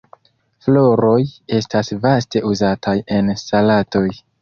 Floroj estas vaste uzataj en salatoj.